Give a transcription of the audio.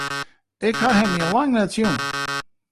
Ik haw him yn lang net sjoen.